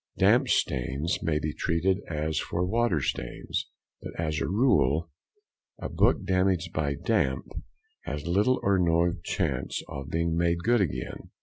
Damp stains may be treated as for water stains, but, as a rule, a book damaged by damp has little or no chance of being made good again.